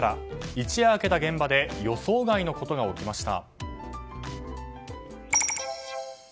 一夜明けた現場で予想外のことが起きました。